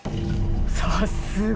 さすが！